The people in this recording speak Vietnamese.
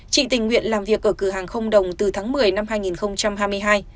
chị tình nguyện làm việc ở cửa hàng không đồng từ tháng một mươi năm hai nghìn hai mươi hai